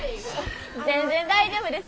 全然大丈夫です。